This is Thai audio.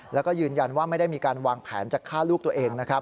แล้วก็ยืนยันว่าไม่ได้มีการวางแผนจะฆ่าลูกตัวเองนะครับ